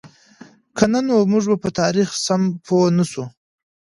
که نه نو موږ به په تاریخ سم پوهـ نهشو.